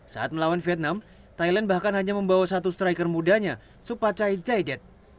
saat melawan vietnam thailand bahkan hanya membawa satu striker mudanya supacai jaidet